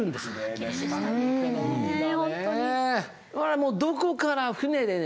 もうどこから船でね